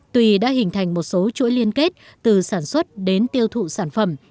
tuy đã hình thành một số chuỗi liên kết từ sản xuất đến tiêu thụ sản phẩm